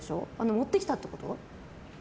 持ってきたってこと？